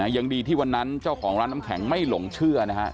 ยังดีที่วันนั้นเจ้าของร้านน้ำแข็งไม่หลงเชื่อนะฮะ